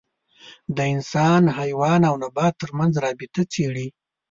د انسان، حیوان او نبات تر منځ رابطه څېړي.